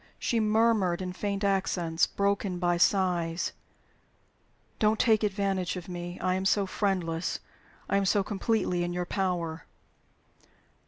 She murmured in faint accents, broken by sighs, "Don't take advantage of me. I am so friendless; I am so completely in your power."